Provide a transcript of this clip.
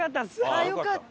ああよかった！